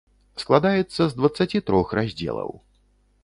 Складаецца з дваццаці трох раздзелаў.